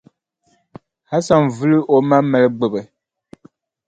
Hasan vili o ma mali gbubi.